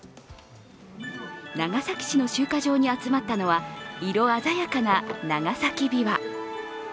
長崎市の集荷場に集まったのは、色鮮やかな長崎びわ。